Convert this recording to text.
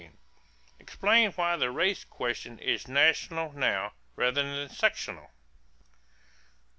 Explain why the race question is national now, rather than sectional.